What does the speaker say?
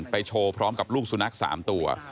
โชว์พร้อมกับลูกสุนัข๓ตัว